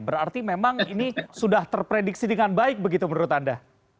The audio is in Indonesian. berarti memang ini sudah terprediksi dengan baik begitu menurut anda